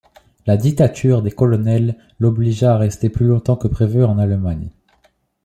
La dictature des colonels l'obligea à rester plus longtemps que prévu en Allemagne.